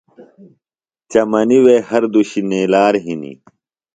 چمنیۡ وے ہر دُشیۡ نِیلار ہِنیۡ۔